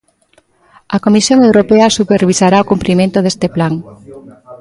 A Comisión Europea supervisará o cumprimento deste plan.